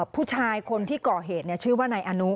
ผู้ชายคนที่เกาะเหตุเนี่ยชื่อว่าไนอนุ